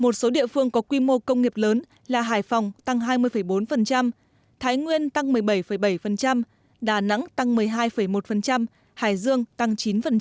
một số địa phương có quy mô công nghiệp lớn là hải phòng tăng hai mươi bốn thái nguyên tăng một mươi bảy bảy đà nẵng tăng một mươi hai một hải dương tăng chín